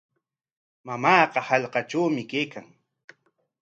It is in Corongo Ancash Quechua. Mamaaqa hallqatrawmi kaykan.